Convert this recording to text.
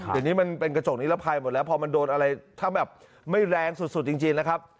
เดี๋ยวนี้มันเป็นกระจกนิรภัยหมดแล้วพอมันโดนอะไรถ้าแบบไม่แรงสุดจริงนะครับ